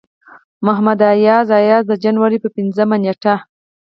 محمد اياز اياز د جنوري پۀ پينځمه نيټه